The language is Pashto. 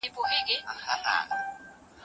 هغه پرون ناوخته له دفتره کور ته لاړ.